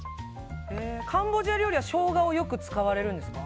カンボジア料理はショウガをよく使われるんですか？